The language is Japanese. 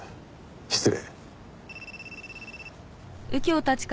失礼。